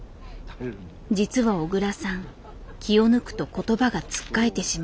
実は小倉さん気を抜くと言葉がつっかえてしまう。